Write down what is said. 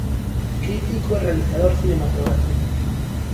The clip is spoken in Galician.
Crítico e realizador cinematográfico.